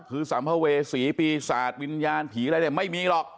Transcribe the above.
คือสามภเวศรีปีศาสตร์วิญญาณผีอะไรแหละไม่มีหรอก